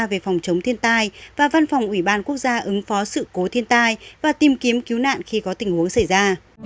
về phòng chống thiên tai và văn phòng ủy ban quốc gia ứng phó sự cố thiên tai và tìm kiếm cứu nạn khi có tình huống xảy ra